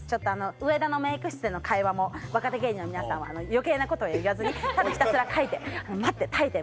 上田のメーク室での会話も若手芸人の皆さんは余計なことは言わずにただひたすら耐えて待って耐えて待ってください。